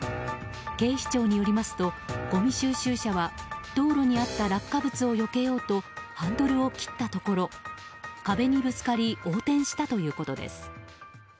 警視庁によりますとごみ収集車は道路にあった落下物をよけようとハンドルを切ったところ壁にぶつかり横転したということです。